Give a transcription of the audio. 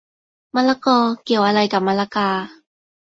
มะละกอ เกี่ยวอะไรกับมะละกา